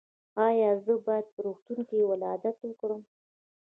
ایا زه باید په روغتون کې ولادت وکړم؟